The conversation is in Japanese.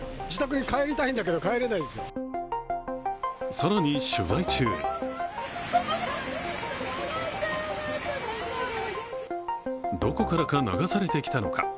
更に取材中どこからか流されてきたのか。